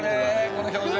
この表情。